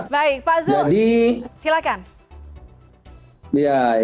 pak zul silakan